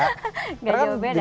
tidak jauh beda ya